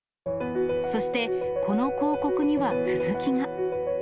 そして、この広告には続きが。